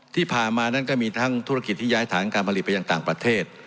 ที่ผ่านมานั้นก็มีทั้งธุรกิจที่ย้ายฐานการผลิตไปยังต่างประเทศ